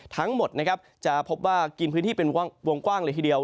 ทั้งหมดนะครับจะพบว่ากินพื้นที่เป็นวงกว้างเลยทีเดียว